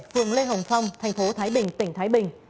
phường lê hồng phong tp thái bình tỉnh thái bình